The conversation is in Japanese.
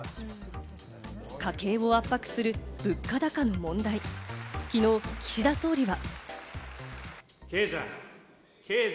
家計を圧迫する物価高の問題、きのう岸田総理は。